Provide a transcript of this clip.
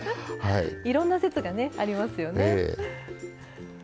いろんな説がありますよね。